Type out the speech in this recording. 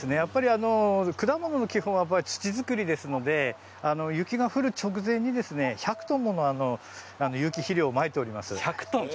やっぱり果物の基本は土作りですので雪の降る直前に１００トンもの有機肥料をまいています。